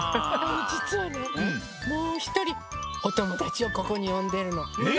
じつはねもうひとりおともだちをここによんでるの。ね。